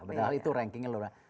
padahal itu rankingnya luar